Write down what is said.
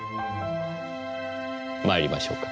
参りましょうか。